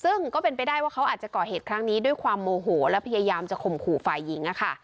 ซึ่งก็เป็นไปได้ว่าเขาอาจจะก่อเหตุครั้งนี้ด้วยความโมโหและพยายามจะข่มขู่ฝ่ายหญิงอะค่ะ